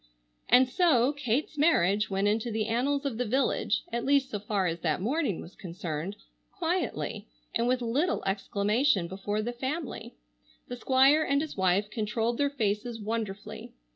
And so Kate's marriage went into the annals of the village, at least so far as that morning was concerned, quietly, and with little exclamation before the family. The Squire and his wife controlled their faces wonderfully.